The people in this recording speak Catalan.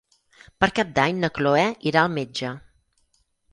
Per Cap d'Any na Cloè irà al metge.